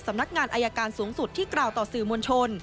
สำนักงานอายการสูงสุดที่กล่าวต่อสื่อมวลชน